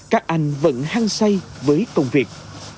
các anh vẫn hăng say với công việc